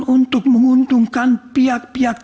untuk menguntungkan pihak pihak